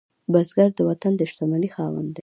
بزګر د وطن د شتمنۍ خاوند دی